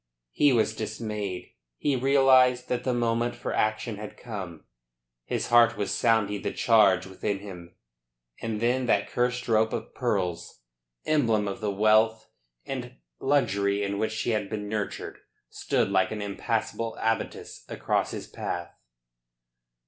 He was dismayed. He realised that the moment for action had come. His heart was sounding the charge within him. And then that cursed rope of pearls, emblem of the wealth and luxury in which she had been nurtured, stood like an impassable abattis across his path.